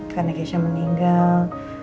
karena keisha meninggal